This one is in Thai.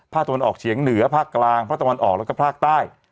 ตะวันออกเฉียงเหนือภาคกลางภาคตะวันออกแล้วก็ภาคใต้